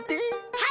はい！